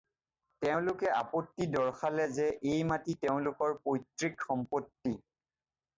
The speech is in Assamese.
তেওঁলোকে আপত্তি দৰ্শালে যে সেই মাটি তেওঁলোকৰ পৈত্ৰিক সম্পত্তি।